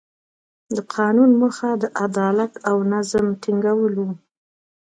د قانون موخه د عدالت او نظم ټینګول وو.